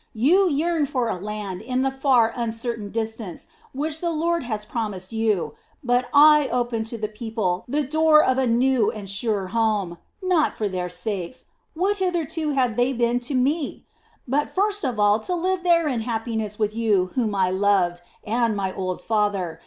You yearn for a land in the far uncertain distance, which the Lord has promised you; but I opened to the people the door of a new and sure home. Not for their sakes what hitherto have they been to me? but first of all to live there in happiness with you whom I loved, and my old father.